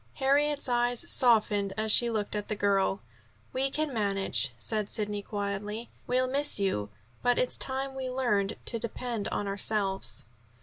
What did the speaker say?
Harriet's eyes softened as she looked at the girl "We can manage," said Sidney quietly. "We'll miss you, but it's time we learned to depend on ourselves."